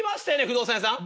不動産屋さん？